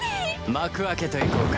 幕開けといこうか。